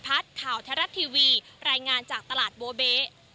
ข่าวไทยรัฐทีวีรายงานจากตลาดโบเบ๊